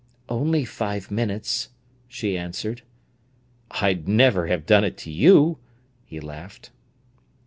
"Only five minutes," she answered. "I'd never have done it to you," he laughed.